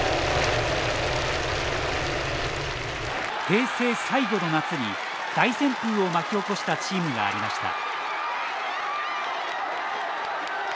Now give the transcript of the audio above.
平成最後の夏に大旋風を巻き起こしたチームがありました。